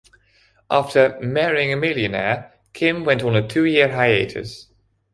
After "Marrying a Millionaire", Kim went on a two-year hiatus.